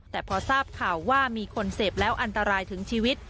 แต่พอทราบข่าวว่ามีคนเสพแล้วอันตรายถึงชีวิต